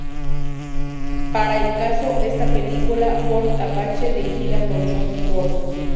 Para el caso está la película "Fort Apache" dirigida por John Ford.